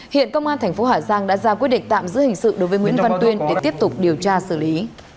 hiện công an thành phố hà giang đã ra quyết định tạm giữ hình sự đối với nguyễn văn tuyên để tiếp tục điều tra xử lý